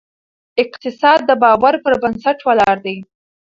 اقتصاد د باور پر بنسټ ولاړ دی.